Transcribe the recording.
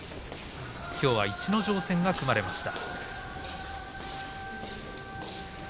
きょうは逸ノ城戦が組まれました。